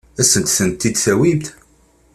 Ad asent-tent-id-tawimt?